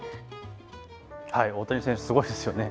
大谷選手、すごいですよね。